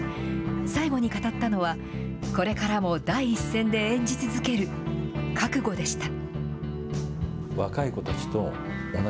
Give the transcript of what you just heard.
最後に語ったのは、これからも第一線で演じ続ける覚悟でした。